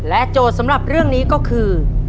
โจทย์สำหรับเรื่องนี้ก็คือ